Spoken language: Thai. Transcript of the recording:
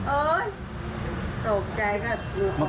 โอ๊ยสกใจก็หลุดมา